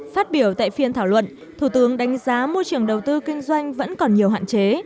phát biểu tại phiên thảo luận thủ tướng đánh giá môi trường đầu tư kinh doanh vẫn còn nhiều hạn chế